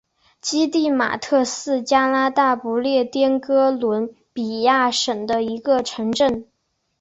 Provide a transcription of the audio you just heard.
基蒂马特是加拿大不列颠哥伦比亚省的一个城镇。